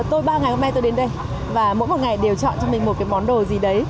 tôi ba ngày hôm nay tôi đến đây và mỗi một ngày đều chọn cho mình một cái món đồ gì đấy